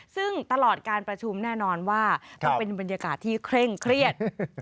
ซึ่งตลอดการประชุมแน่นอนว่าต้องเป็นบรรยากาศที่เคร่งเครียด